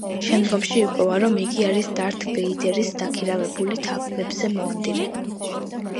შემდგომში ირკვევა, რომ იგი არის დართ ვეიდერის დაქირავებული თავებზე მონადირე.